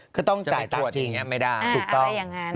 ก็ต้องจ่ายตัดจริงไม่ได้ถูกต้องอะไรอย่างนั้น